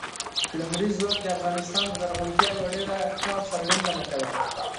لمریز ځواک د افغانستان د زرغونتیا یوه ډېره ښه او څرګنده نښه ده.